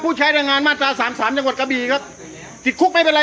ใช้แรงงานมาตราสามสามจังหวัดกระบีครับติดคุกไม่เป็นไร